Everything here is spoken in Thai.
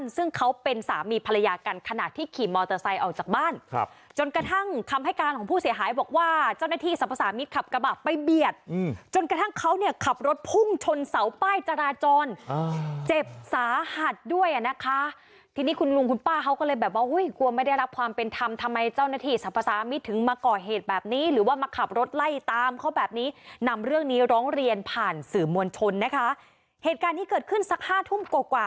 สรรพสามิตรขับกระบะไปเบียดจนกระทั่งเขาเนี่ยขับรถพุ่งชนเสาป้ายจราจรเจ็บสาหัสด้วยนะคะที่นี่คุณลุงคุณป้าเขาก็เลยแบบว่าเฮ้ยกลัวไม่ได้รับความเป็นธรรมทำไมเจ้าหน้าที่สรรพสามิตรถึงมาก่อเหตุแบบนี้หรือว่ามาขับรถไล่ตามเขาแบบนี้นำเรื่องนี้ร้องเรียนผ่านสื่อมวลชนนะคะเหตุการณ์ที่เกิดข